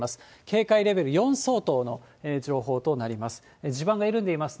警戒レベル４相当の情報となります。